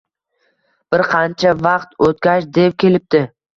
Bir qancha vaqt o’tgach, dev kelipti.